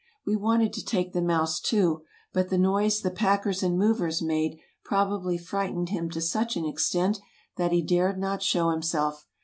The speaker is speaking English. We wanted to take the mouse, too, but the noise the packers and movers made probably frightened him to such an extent that he dared not show himself.